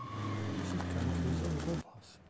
Dies ist keine Krise Europas.